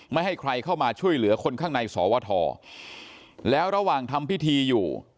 ไม่ให้ใครเข้ามาช่วยเหลือคนข้างในสวทแล้วระหว่างทำพิธีอยู่